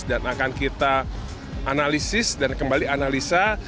dan akan kita analisis dan kembali analisis